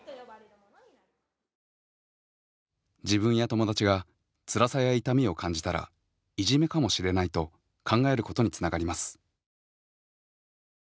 自分や友達がつらさや痛みを感じたらいじめかもしれないと考えることにつながります。